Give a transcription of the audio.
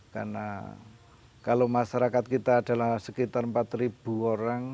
karena kalau masyarakat kita adalah sekitar empat orang